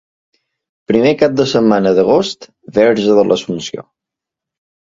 Primer cap de setmana d'agost, Verge de l'Assumpció.